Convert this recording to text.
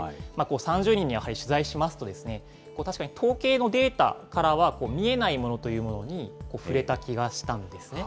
３０人にやはり取材しますと、確かに統計のデータからは見えないものというものに触れた気がしたんですね。